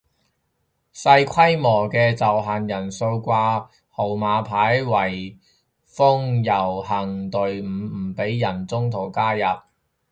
細規模嘅就限人數掛號碼牌圍封遊行隊伍唔俾人中途加入